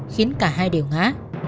khiến cả hai đều ngã